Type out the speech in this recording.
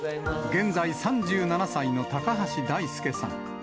現在３７歳の高橋大輔さん。